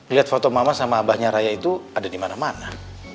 lihat foto mama sama abahnya raya itu ada di mana mana